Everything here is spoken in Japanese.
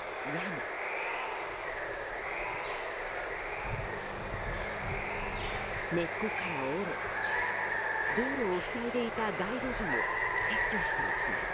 根っこから折れ道路を塞いでいた街路樹も撤去していきます。